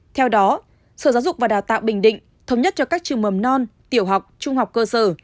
theo đó sở giáo dục và đào tạo bình định thống nhất cho các trường mầm non tiểu học trung học cơ sở